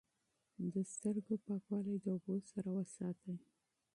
د سترګو پاکوالی د اوبو سره وساتئ.